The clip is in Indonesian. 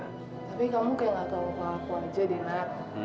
tapi kamu kayak gak tau ke aku aja deh nak